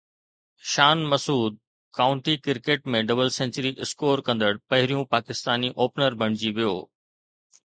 شان Masood county cricket ۾ double century score ڪندڙ پهريون پاڪستاني اوپنر بڻجي ويو